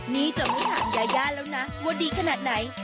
นี่จะไม่ถามยายาแล้วนะว่าดีขนาดไหน